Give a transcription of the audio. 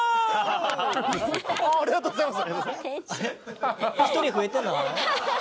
ありがとうございます。